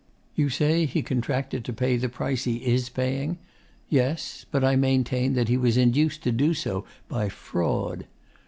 You say he contracted to pay the price he is paying; yes; but I maintain that he was induced to do so by fraud.